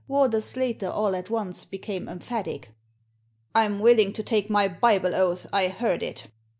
Warder Slater all at once became emphatic. " I'm willing to take my Bible oath I heard it!"